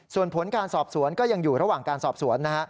ส่วนผลการสอบสวนก็ยังอยู่ระหว่างการสอบสวนนะฮะ